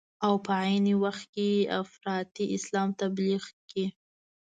او په عین وخت کې افراطي اسلام تبلیغ کړي.